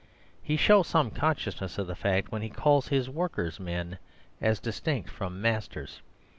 He shows some consciousness of the fact when he calls his workers "men" as distinct from masters.